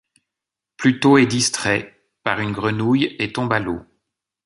Pluto est distrait par une grenouille et tombe à l'eau.